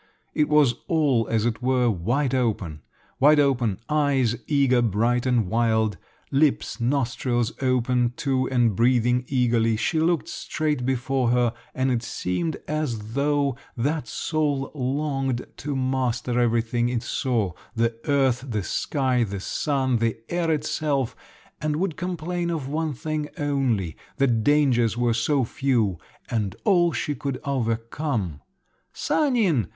It was all, as it were, wide open: wide open eyes, eager, bright, and wild; lips, nostrils, open too, and breathing eagerly; she looked straight before her, and it seemed as though that soul longed to master everything it saw, the earth, the sky, the sun, the air itself; and would complain of one thing only—that dangers were so few, and all she could overcome. "Sanin!"